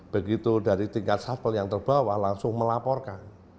begitu dari tingkat safel yang terbawah langsung melaporkan